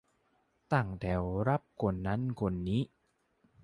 ตั้งแถวรับคนนั้นคนนี้